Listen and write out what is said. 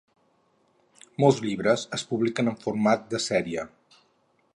Molts llibres es publiquen en format de sèrie.